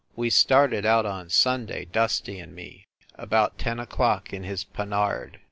We started out on Sunday, Dusty and me, about ten o clock, in his Panhard.